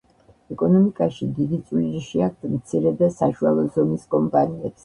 ეკონომიკაში დიდი წვლილი შეაქვთ მცირე და საშუალო ზომის კომპანიებს.